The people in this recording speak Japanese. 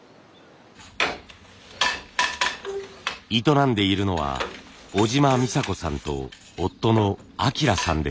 営んでいるのは小島美佐子さんと夫の章さんです。